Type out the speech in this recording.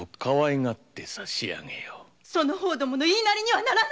その方らの言いなりにはならぬ‼